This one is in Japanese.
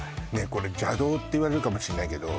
これ邪道っていわれるかもしれないけど